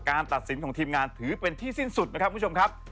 การตัดสินของทีมงานถือเป็นที่สิ้นสุดนะครับ